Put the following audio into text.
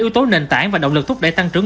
yếu tố nền tảng và động lực thúc đẩy tăng trưởng